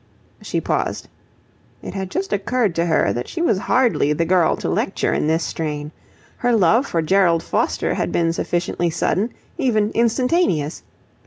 She paused. It had just occurred to her that she was hardly the girl to lecture in this strain. Her love for Gerald Foster had been sufficiently sudden, even instantaneous.